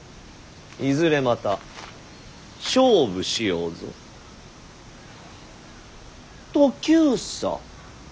いずれまた勝負しようぞトキューサ。